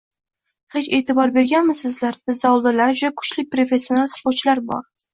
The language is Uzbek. Hech eʼtibor berganmisizlar, bizda oldinlari juda kuchli professional sportchilar bor